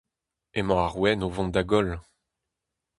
Emañ ar ouenn o vont da goll !